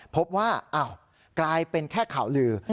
พบว่าอ้าวกลายเป็นแค่ข่าวลือ